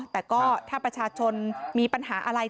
แต่ก็ถ้าประชาชนมีปัญหาอะไร